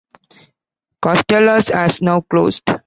Costellos has now closed.